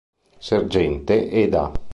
Sergente e da!